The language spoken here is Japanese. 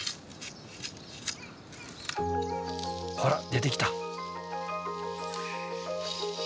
ほら出てきた。